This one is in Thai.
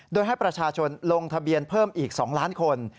โดยให้ประชาชนลงทะเบียนเพิ่มอีก๒ล้านคน